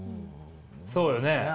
そうよね。